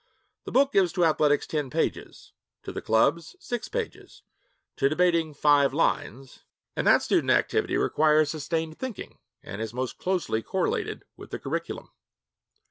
The book gives to athletics ten pages; to the clubs, six pages; to debating, five lines and that student activity requires sustained thinking and is most closely correlated with the curriculum.